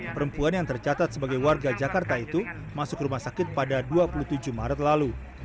perempuan yang tercatat sebagai warga jakarta itu masuk rumah sakit pada dua puluh tujuh maret lalu